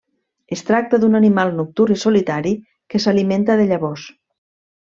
Es tracta d'un animal nocturn i solitari que s'alimenta de llavors.